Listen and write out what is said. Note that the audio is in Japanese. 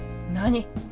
何！